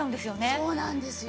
そうなんですよ。